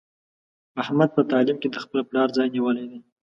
احمد په تعلیم کې د خپل پلار ځای نیولی دی.